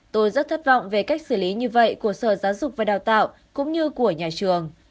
tôi rất thất vọng về cách xử lý như vậy của sở giáo dục và đào tạo cũng như của nhà trường